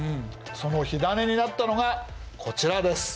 その火種になったのがこちらです。